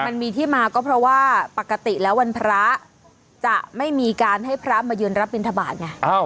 มันมีที่มาก็เพราะว่าปกติแล้ววันพระจะไม่มีการให้พระมายืนรับบินทบาทไง